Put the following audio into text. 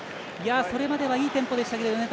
それまではいいテンポでしたけどね。